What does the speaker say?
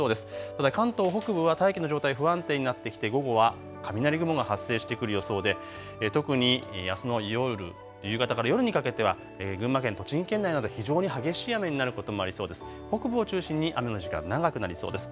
ただ関東北部は大気の状態、不安定になってきて午後は雷雲が発生してくる予想で特にあすの夜、夕方から夜にかけては群馬県、栃木県内など非常に激しい雨になることもありそうです。